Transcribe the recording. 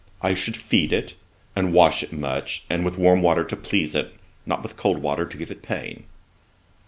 I should feed it, and wash it much, and with warm water to please it, not with cold water to give it pain.'